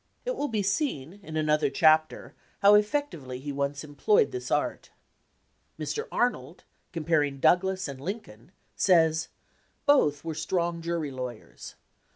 It will be seen in another chapter how effectively he once employed this art. Mr. Arnold, comparing Douglas and Lincoln, says: "Both were strong jury lawyers.